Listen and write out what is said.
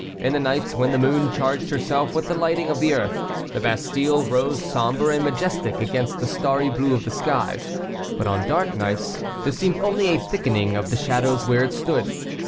In the nights when the moon charged herself with the lighting of the earth, the Bastile rose somber and majestic against the starry blue of the skies, but on dark nights, there seemed only a thickening of the shadows where it stood.